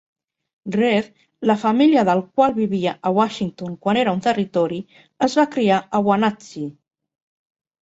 Reed, la família del qual vivia a Washington quan era un territori, es va criar a Wenatchee.